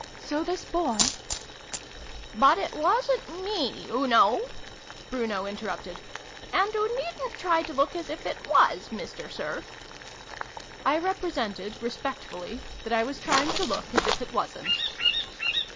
" So this Boy " But it wasn't me, oo know !" Bruno inter rupted. "And oo needn't try to look as if it was, Mister Sir !" I represented, respectfully, that I was trying to look as if it wasn't.